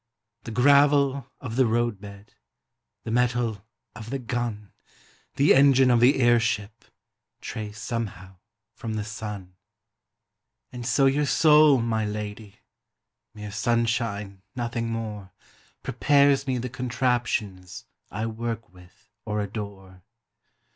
The gravel of the roadbed, The metal of the gun, The engine of the airship Trace somehow from the sun. And so your soul, my lady (Mere sunshine, nothing more) Prepares me the contraptions I work with or adore.